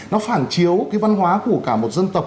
nó phản chiếu cái văn hóa của cả một dân tộc